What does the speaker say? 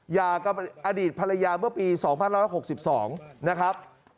ยากับอดีตภรรยาเมื่อปี๒๑๖๒นะครับ